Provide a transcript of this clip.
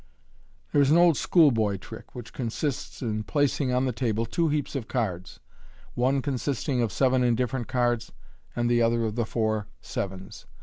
— There is an old schoolboy trick, which consists in placing on the table two heaps of cards, one con sisting of seven indifferent cards, and the other of the four sevens.